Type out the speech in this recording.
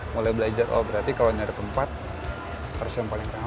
mulai belajar oh berarti kalau nyari tempat harus yang paling ramai